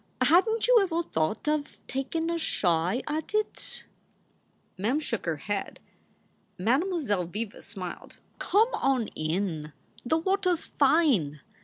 Hadn t you ever thought of takin a shy at it ?" Mem shook her head. Mademoiselle Viva smiled. Come on in; the water s fine.